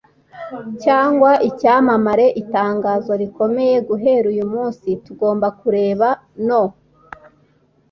cyangwa icyamamare) itangazo rikomeye 'guhera uyu munsi tugomba kureba no